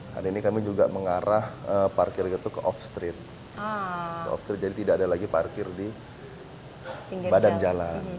dan ini kami juga mengarah parkir itu ke off street jadi tidak ada lagi parkir di badan jalan